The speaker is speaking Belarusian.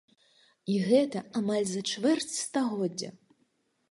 І гэта амаль за чвэрць стагоддзя!